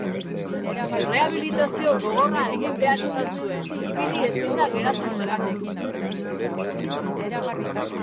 Errehabilitazio gogorra egin behar izan zuen, ibili ezinda geratu zelako.